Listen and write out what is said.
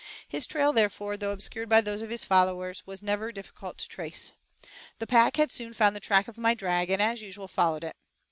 His trail, therefore, though obscured by those of his followers, was never difficult to trace. The pack had soon found the track of my drag, and as usual followed it.